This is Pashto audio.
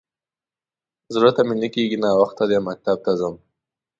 _زړه ته مې نه کېږي. ناوخته دی، مکتب ته ځم.